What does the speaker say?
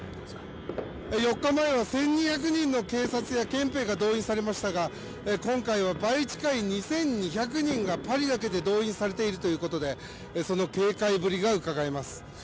４日前は、１２００人の警察や憲兵が動員されましたが今回は倍近い２２００人がパリだけで動員されているということでその警戒ぶりが、うかがえます。